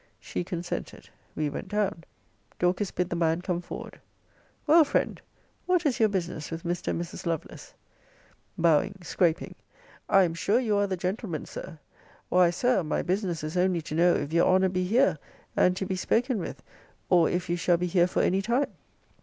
She consented. We went down. Dorcas bid the man come forward. Well, friend, what is your business with Mr. and Mrs. Lovelace? Bowing, scraping, I am sure you are the gentleman, Sir. Why, Sir, my business is only to know if your honour be here, and to be spoken with; or if you shall be here for any time?